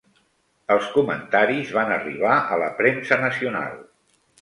Els comentaris van arribar a la premsa nacional.